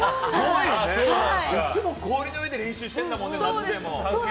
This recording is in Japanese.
いつも氷の上で練習してるもんね、夏でも。